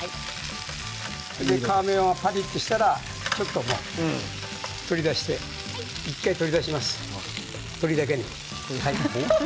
皮目がパリっとしたらちょっと取り出して１回取り出します、鶏だけに。